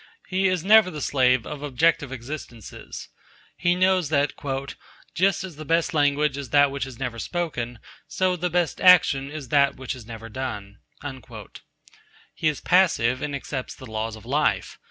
He is never the slave of objective existences. He knows that, 'just as the best language is that which is never spoken, so the best action is that which is never done.' He is passive, and accepts the laws of life.